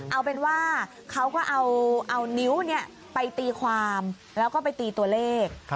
เอาเป็นว่าเขาก็เอานิ้วไปตีความแล้วก็ไปตีตัวเลข